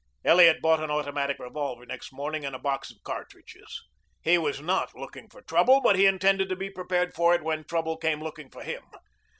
Elliot bought an automatic revolver next morning and a box of cartridges. He was not looking for trouble, but he intended to be prepared for it when trouble came looking for him.